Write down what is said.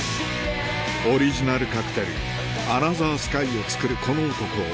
オリジナルカクテル「アナザースカイ」を作るこの男